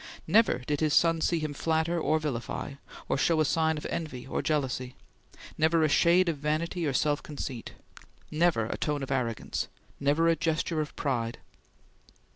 Never did his son see him flatter or vilify, or show a sign of envy or jealousy; never a shade of vanity or self conceit. Never a tone of arrogance! Never a gesture of pride!